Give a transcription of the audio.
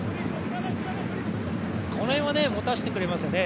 この辺は持たせてくれますよね。